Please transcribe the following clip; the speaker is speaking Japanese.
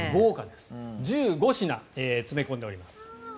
１５品、詰め込んでおります。